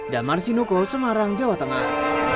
damar sinuko semarang jawa tengah